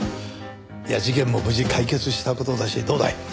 事件も無事解決した事だしどうだい？